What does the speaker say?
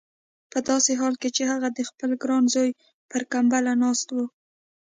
په داسې حال کې چې هغه د خپل ګران زوی پر کمبله ناست و.